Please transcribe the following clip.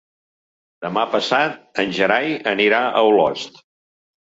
Demà passat en Gerai anirà a Olost.